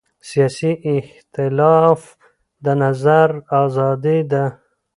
سیاسي اختلاف د نظر ازادي ده